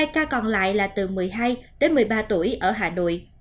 hai ca còn lại là từ một mươi hai đến một mươi ba tuổi ở hà nội